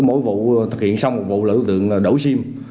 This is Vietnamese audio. mỗi vụ thực hiện xong một vụ là đối tượng đổ xim